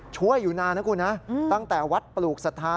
ช่วยอยู่นานนะคุณนะตั้งแต่วัดปลูกศรัทธา